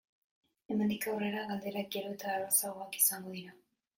Hemendik aurrera galderak gero eta errazagoak izango dira.